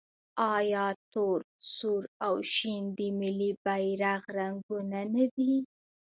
آیا تور، سور او شین د ملي بیرغ رنګونه نه دي؟